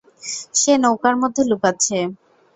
সে নৌকার মধ্যে লুকাচ্ছে।